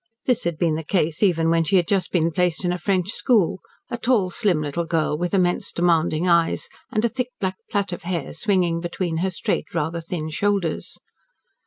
This had been the case even when she had just been placed in a French school, a tall, slim little girl, with immense demanding eyes, and a thick black plait of hair swinging between her straight, rather thin, shoulders.